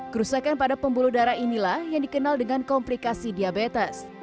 kerusakan pada pembuluh darah inilah yang dikenal dengan komplikasi diabetes